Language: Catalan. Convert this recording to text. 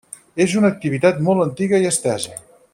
És una activitat molt antiga i estesa.